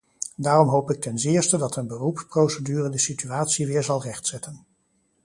Daarom hoop ik ten zeerste dat een beroepsprocedure de situatie weer zal rechtzetten.